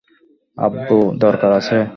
আব্বু দরকার আছে।